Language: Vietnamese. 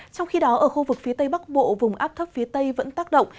trong khi đó ở khu vực phía tây bắc bộ vùng áp thấp phía tây vẫn tác động